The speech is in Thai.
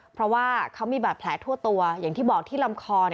เพราะว่าเขามีบาดแผลทั่วตัวอย่างที่บอกที่ลำคอ